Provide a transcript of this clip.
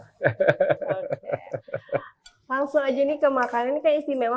ini kan istimewa